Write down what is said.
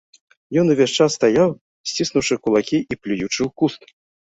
Ён увесь час стаяў, сціснуўшы кулакі і плюючы ў куст.